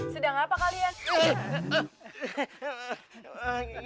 sudah ngapa kalian